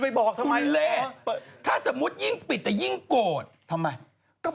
ไปเทคมีอะไรต้องดูแล